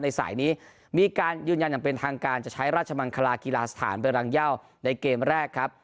สายนี้มีการยืนยันอย่างเป็นทางการจะใช้ราชมังคลากีฬาสถานเป็นรังเย่าในเกมแรกครับ